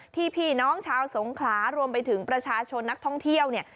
พี่น้องชาวสงขลารวมไปถึงประชาชนนักท่องเที่ยวเนี่ย